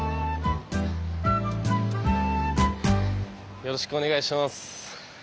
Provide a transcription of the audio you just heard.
よろしくお願いします。